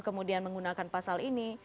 kemudian menggunakan pasal ini